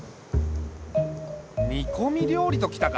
煮こみ料理と来たか。